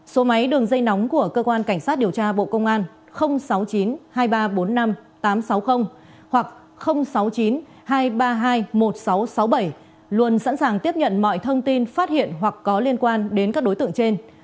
số máy đường dây nóng của cơ quan cảnh sát điều tra bộ công an sáu mươi chín hai nghìn ba trăm bốn mươi năm tám trăm sáu mươi hoặc sáu mươi chín hai trăm ba mươi hai một nghìn sáu trăm sáu mươi bảy luôn sẵn sàng tiếp nhận mọi thông tin phát hiện hoặc có liên quan đến các đối tượng trên